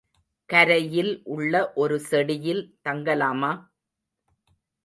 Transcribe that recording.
கரையில் உள்ள ஒரு செடியில் தங்கலாமா?